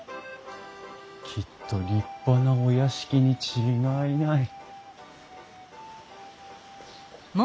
きっと立派なお屋敷に違いない。